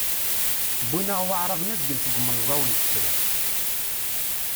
Wwin-aɣ Waεraben azgen seg umenẓaw n Tefriqt.